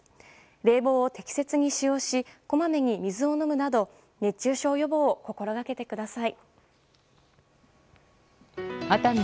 冷房を適切に使用しこまめに水を飲むなど熱中症予防を心がけてください。